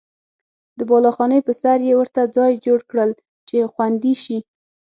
د بالاخانې په سر یې ورته ځای جوړ کړل چې خوندي شي.